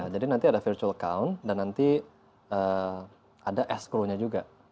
jadi nanti ada virtual account dan nanti ada escrow nya juga